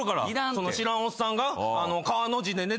その知らんおっさんが川の字で寝てるとこ。